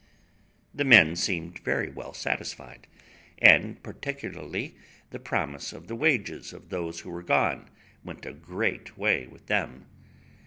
The men seemed very well satisfied, and particularly the promise of the wages of those who were gone went a great way with them.